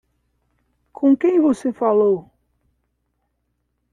Com quem você falou?